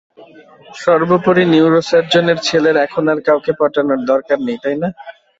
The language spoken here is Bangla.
সর্বোপরি, নিউরোসার্জনের ছেলের এখন আর কাউকে পটানোর দরকার নেই, তাই না?